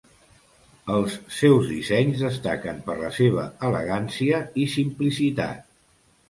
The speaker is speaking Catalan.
Els seus dissenys destaquen per la seva elegància i simplicitat.